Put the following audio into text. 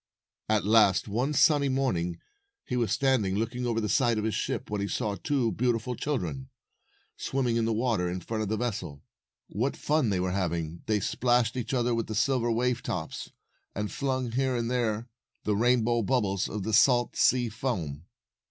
At last, one sunny morning, he was standing 256 looking over the side of the ship, when he saw two beautiful children, swimming in the water in front of the vessel. What fun they were hav ing! They splashed each other with the silver wave tops, and flung here and there the rainbow bubbles of the salt sea foam.